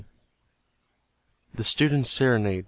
THE STUDENT'S SERENADE.